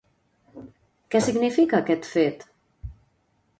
Què significa aquest fet?